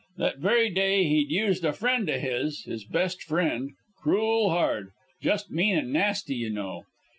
That very day he'd used a friend o' his his best friend cruel hard: just mean and nasty, you know.